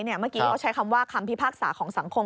เมื่อกี้เขาใช้คำว่าคำพิพากษาของสังคม